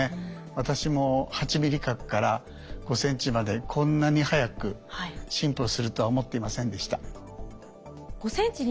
私も８ミリ角から５ｃｍまでこんなに早く進歩するとは思っていませんでした。